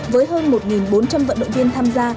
với hơn một bốn trăm linh vận động viên tham gia